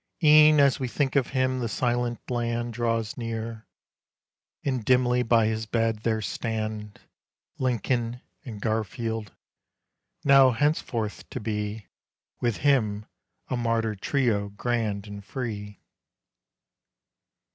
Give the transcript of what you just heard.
E'en as we think of him the silent land Draws near, and dimly by his bed there stand Lincoln and Garfield, now henceforth to be With him a martyr trio grand and free.